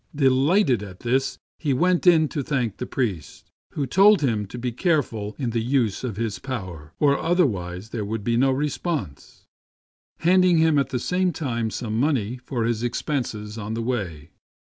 Delighted at this, he went in to thank the priest, who told him to be careful in the use of his power, or otherwise there would be no response, handing him at the same time some money for his expenses on the way.